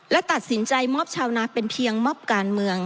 และตัดสินใจมอบชาวนาเป็นเพียงมอบการเมือง